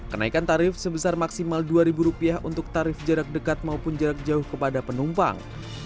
kenaikan tarif sebesar maksimal rp dua untuk tarif jarak dekat maupun jarak jauh kepada penumpang